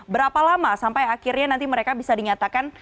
berapa lama sampai akhirnya nanti mereka bisa dinyatakan